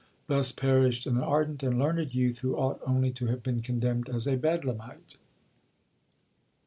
Thus perished an ardent and learned youth, who ought only to have been condemned as a Bedlamite.